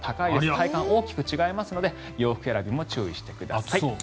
体感が大きく違いますので洋服選びも注意してください。